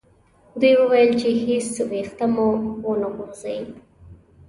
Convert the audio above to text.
دوی وویل چې هیڅ ویښته مو و نه غورځي.